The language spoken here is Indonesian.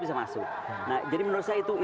bisa masuk nah jadi menurut saya itu